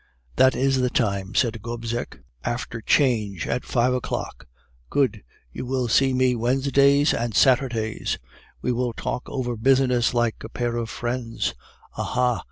"'That is the time,' said Gobseck, 'after 'Change, at five o'clock. Good, you will see me Wednesdays and Saturdays. We will talk over business like a pair of friends. Aha!